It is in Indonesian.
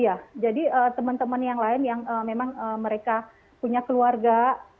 iya jadi teman teman yang lain yang memang mereka punya keluarga